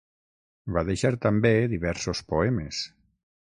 Va deixar també diversos poemes.